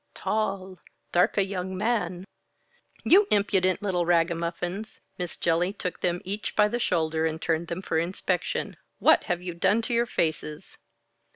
"Tall, dark a young man." "You impudent little ragamuffins!" Miss Jellings took them each by the shoulder and turned them for inspection. "What have you done to your faces?"